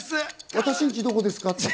私んちどこですか？